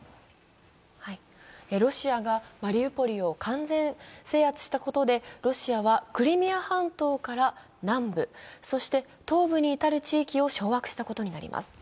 ロシアがマリウポリを完全制圧したことでロシアはクリミア半島から南部、そして東部に至る地域を掌握したことになります。